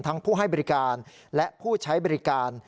ผู้ให้บริการและผู้ใช้บริการ